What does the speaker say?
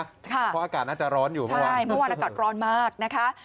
เพราะอากาศน่าจะร้อนอยู่เมื่อวานใช่เมื่อวานอากาศร้อนมากนะคะ